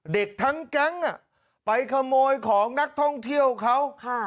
เด็กทั้งแก๊งไปขโมยของนักท่องเที่ยวเขา